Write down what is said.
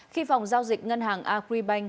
khi phòng giao dịch ngân hàng acribank